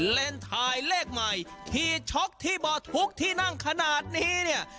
เล่นถ่ายเลขใหม่ขี่ช็อกที่บ่อทุกที่นั่งขนาดนี้เนี่ย